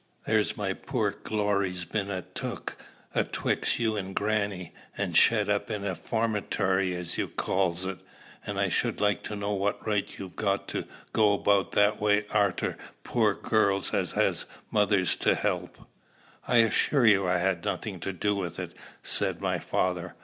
There's my poor Glory's been an' took atwixt you an' grannie, and shet up in a formatory as you calls it; an' I should like to know what right you've got to go about that way arter poor girls as has mothers to help." "I assure you I had nothing to do with it," said my father.